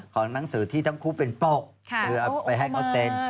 ของหนังสือที่ทั้งคู่เป็นปกไปให้เขาเซ็น